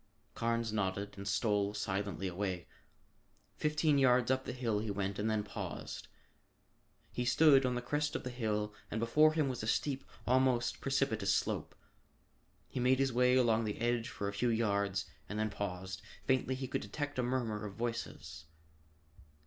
Carnes nodded and stole silently away. Fifteen yards up the hill he went and then paused. He stood on the crest of the hill and before him was a steep, almost precipitous slope. He made his way along the edge for a few yards and then paused. Faintly he could detect a murmur of voices.